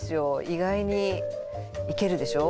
意外にいけるでしょ